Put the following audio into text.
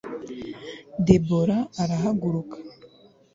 debora arahaguruka